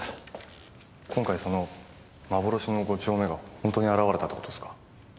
今回その幻の５丁めがホントに現れたって事ですか？